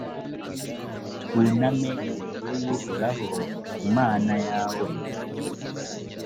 wuname imbere y’uhoraho imana yawe;